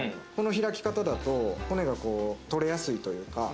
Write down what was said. この開き方だと骨が取れやすいというか。